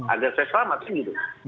agar saya selamat sih gitu